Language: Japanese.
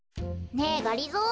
ねえがりぞー。